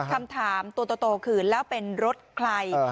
คำถามตัวโตคือแล้วเป็นรถใคร